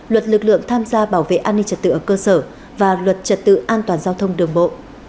luật lực lượng tham gia bảo vệ an ninh trật tự ở cơ sở và luật trật tự an toàn giao thông đường bộ